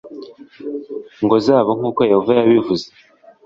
ngo zabo nk uko yehova yabivuze